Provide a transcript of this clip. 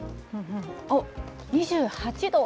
おっ、２８度。